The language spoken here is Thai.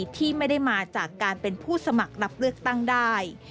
ที่ไม่ได้มาจากการเป็นผู้สมัครรับเลือกตั้งได้